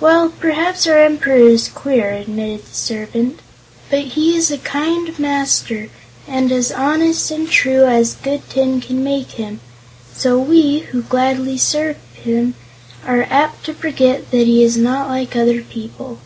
"Well, perhaps our Emperor is queer," admitted the servant; "but he is a kind master and as honest and true as good tin can make him; so we, who gladly serve him, are apt to forget that he is not like other people."